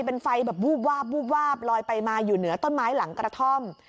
เป็นไฟแบบวูบวาบวูบวาบลอยไปมาอยู่เหนือต้นไม้หลังกระท่อม